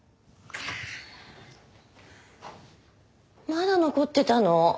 まだ残ってたの？